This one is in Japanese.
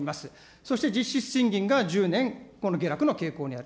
そして実質賃金が１０年、下落の傾向にある。